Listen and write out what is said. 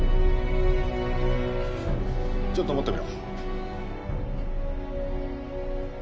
ちょっと持ってみろ。